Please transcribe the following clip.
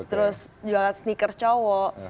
terus jual sneaker cowok